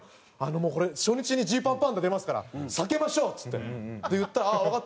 「もうこれ初日にＧパンパンダ出ますから避けましょう」っつって言ったら「ああわかった。